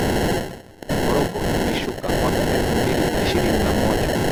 Morocco imeshuka mwaka elfu mbili na ishirini na moja